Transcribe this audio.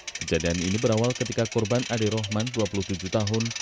kejadian ini berawal ketika korban ade rohman dua puluh tujuh tahun